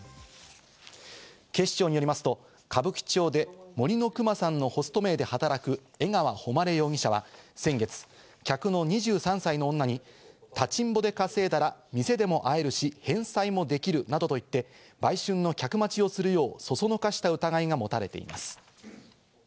警視庁によりますと、歌舞伎町で「森のくまさん」のホスト名で働く江川誉容疑者は先月、客の２３歳の女に立ちんぼで稼いだら店でも会えるし、返済もできるなどと言って売春の客待ちをするよう、そそのかした疑いが持たれています。